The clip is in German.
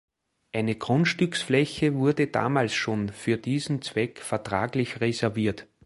Eine Grundstücksfläche wurde damals schon für diesen Zweck vertraglich reserviert.